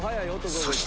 そして